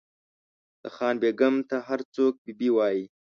د خان بېګم ته هر څوک بي بي وایي.